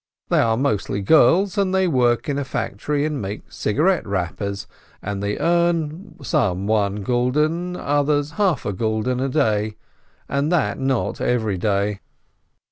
They are mostly girls, and they work in a factory and make cigarette wrappers, and they earn, some one gulden, others half a gulden, a day, and that not every day.